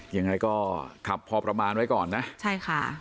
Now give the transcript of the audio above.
ยังไงก็ขับพอประมาณไว้ก่อนนะใช่ค่ะ